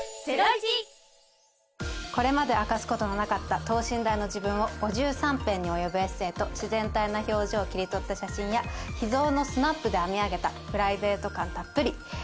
これまで明かすことのなかった等身大の自分を５３編におよぶエッセイと自然体な表情を切り取った写真や秘蔵のスナップで編み上げたプライベート感たっぷり。